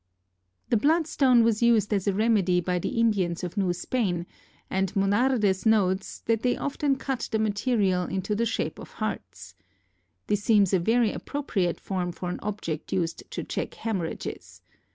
The bloodstone was used as a remedy by the Indians of New Spain, and Monardes notes that they often cut the material into the shape of hearts. This seems a very appropriate form for an object used to check hemorrhages.